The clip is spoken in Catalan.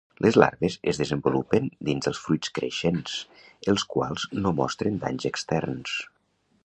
Les larves es desenvolupen dins dels fruits creixents, els quals no mostren danys externs.